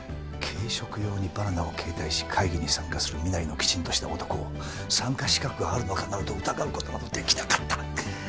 軽食用にバナナを携帯し会議に参加する身なりのきちんとした男を参加資格があるのかなどと疑うことなどできなかった。